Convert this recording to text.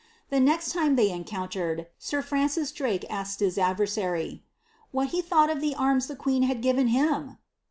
The next time they encountered, sir Francis Drake asked his adversary, ^^ what he thought of the arms the queen had given him